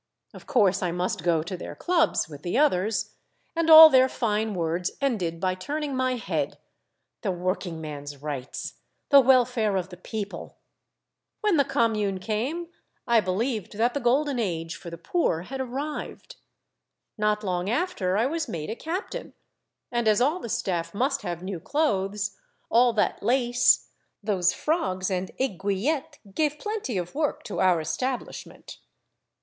Of course I must go to their clubs with the others, and all their fine words ended by turning my head, —" The working man's rights ! The welfare of the People !" When the Commune came, I believed that the Golden Age for the poor had arrived. Not long after, I was made a captain, and as all the staff must have new clothes, all that lace, those frogs and aiguillettes gave plenty of work to our es tablishment.